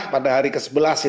pada hari ke sebelas